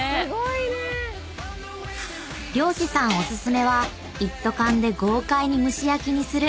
［漁師さんお薦めは一斗缶で豪快に蒸し焼きにする］